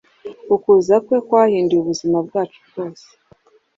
Ukuza kwe kwahinduye ubuzima bwacu rwose.